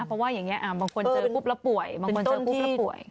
เพราะว่าบางคนเจอกุ๊บแล้วป่วย